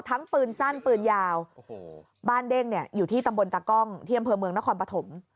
ทั้งปืนสั้นปืนยาวบ้านแรงเนี่ยอยู่ที่ตำบลตากล้องเมืองนครปภม